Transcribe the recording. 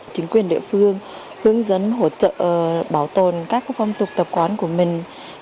chính quyền địa phương hướng dẫn hỗ trợ bảo tồn các phong tục tập quán của mình